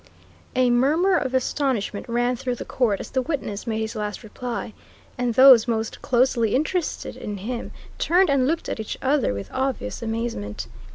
A murmur of astonishment ran through the court as the witness made his last reply, and those most closely interested in him turned and looked at each other with obvious amazement.